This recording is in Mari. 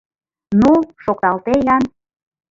Ну, шокталте-ян.